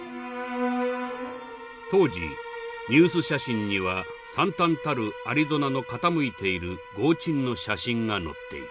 当時ニュース写真には惨憺たるアリゾナの傾いている轟沈の写真が載っている。